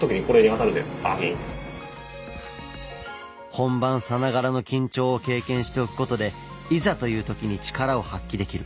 本番さながらの緊張を経験しておくことでいざという時に力を発揮できる。